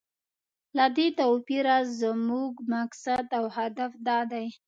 له دې توپیره زموږ مقصد او هدف دا دی.